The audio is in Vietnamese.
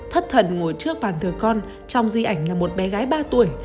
thất thần ngồi trước bàn thờ con trong di ảnh là một bé gái ba tuổi